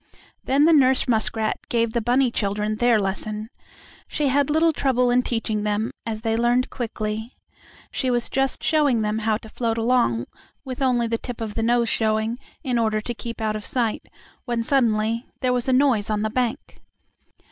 Then the nurse muskrat gave the bunny children their lesson. She had little trouble in teaching them, as they learned quickly. She was just showing them how to float along with only the tip of the nose showing, in order to keep out of sight, when suddenly there was a noise on the bank.